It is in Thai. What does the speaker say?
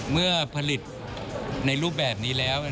เมื่อผลิตในรูปแบบนี้แล้ว